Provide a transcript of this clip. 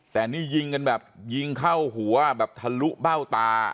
แต่นี่ยิงกันแบบยิงเข้าหัวแบบทะลุเบ้าตา